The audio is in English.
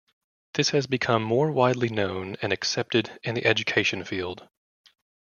This has become more widely known and accepted in the education field.